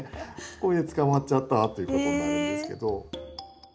これで捕まっちゃったっていうことになるんですけど。